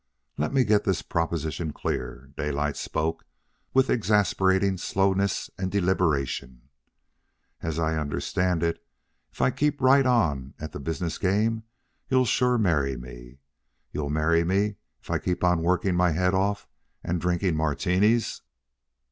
"Let me get this proposition clear." Daylight spoke with exasperating slowness and deliberation. "As I understand it, if I keep right on at the business game, you'll sure marry me? You'll marry me if I keep on working my head off and drinking Martinis?"